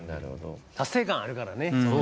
達成感あるからね。